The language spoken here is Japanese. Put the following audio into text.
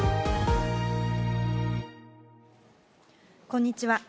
こんにちは。